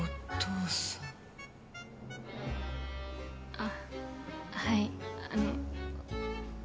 あはいあの。